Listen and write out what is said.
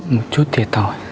một chút thiệt hỏi